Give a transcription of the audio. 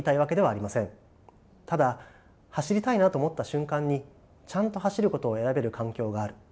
ただ走りたいなと思った瞬間にちゃんと走ることを選べる環境がある。